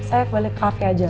saya balik ke kafe aja